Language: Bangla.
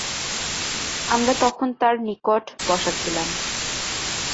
আমরা তখন তাঁর নিকট বসা ছিলাম।